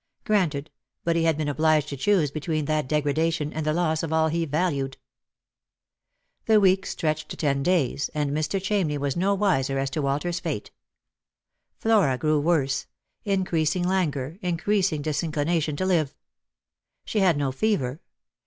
Granted; but he had been obliged to choose between that degradation and the loss of all he valued. The week stretched to ten days, and Mr. Chamney was no wiser as to Walter's fate. Flora grew worse ; increasing languor, increasing disinclination to live. She had no fever.